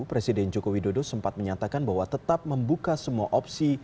presiden joko widodo sempat menyatakan bahwa tetap membuka semua opsi